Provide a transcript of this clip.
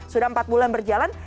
sudah empat bulan berjalan